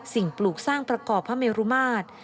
ปลูกสร้างประกอบพระเมรุมาตร